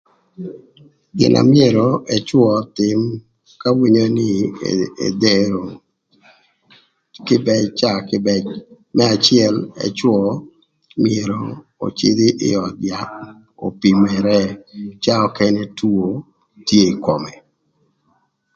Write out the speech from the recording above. Gin na myero ëcwö ötïm ka winyo nï edhero kïbëc caa kïbëc më acël ëcwö myero öcïdhï ï öd yath opimere caa nökënë two tye ï kome.